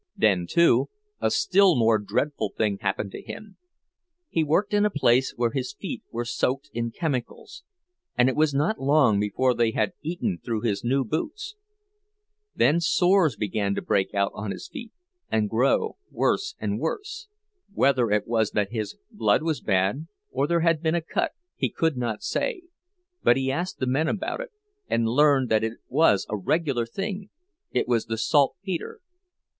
Then, too, a still more dreadful thing happened to him; he worked in a place where his feet were soaked in chemicals, and it was not long before they had eaten through his new boots. Then sores began to break out on his feet, and grow worse and worse. Whether it was that his blood was bad, or there had been a cut, he could not say; but he asked the men about it, and learned that it was a regular thing—it was the saltpeter.